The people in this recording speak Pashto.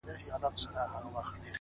خو زه،